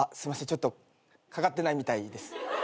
ちょっとかかってないみたいです。